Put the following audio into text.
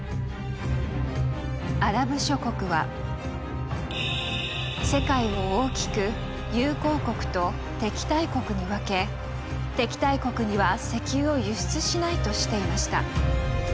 アラブ諸国は世界を大きく「友好国」と「敵対国」に分け敵対国には石油を輸出しないとしていました。